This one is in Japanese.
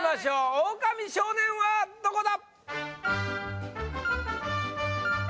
オオカミ少年はどこだ？